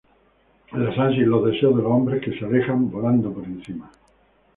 Las ansias y los deseos de los hombres, que se alejan volando por encima.